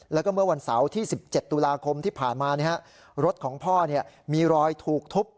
แล้วก็เมื่อวันเสาร์ที่สิบเจ็ดตุลาคมที่ผ่านมาเนี้ยฮะรถของพ่อเนี้ยมีรอยถูกทุบ